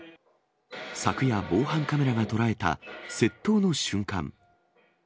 昨夜、防犯カメラが捉えた窃盗の瞬間。